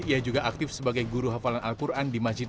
ia juga aktif sebagai guru hafalan al quran di masjid